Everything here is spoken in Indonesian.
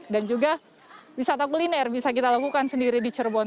dan juga wisata kuliner bisa kita lakukan sendiri di cirebon